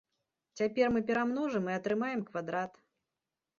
Цяпер мы перамножым і атрымаем квадрат.